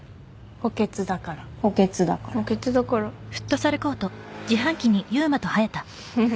補欠だから補欠だから補欠だからふふ